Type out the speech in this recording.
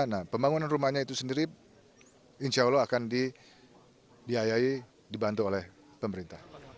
nah pembangunan rumahnya itu sendiri insya allah akan dibiayai dibantu oleh pemerintah